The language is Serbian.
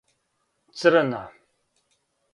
Црна